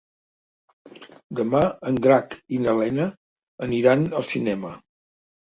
Demà en Drac i na Lena aniran al cinema.